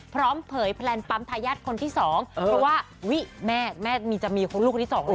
เผยแพลนปั๊มทายาทคนที่สองเพราะว่าอุ๊ยแม่แม่มีจะมีคนลูกคนที่สองเลย